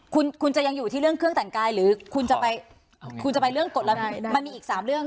คุณคุณจะยังอยู่ที่เรื่องเครื่องแต่งกายหรือคุณจะไปคุณจะไปเรื่องกฎระเบียบมันมีอีก๓เรื่อง